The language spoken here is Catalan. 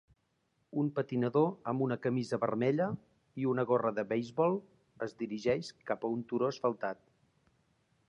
Un patinador amb una camisa vermella i una gorra de beisbol es dirigeix cap a un turó asfaltat.